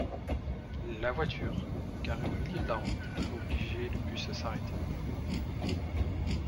La voiture, garée au milieu de la route, a obligé le bus à s'arrêter.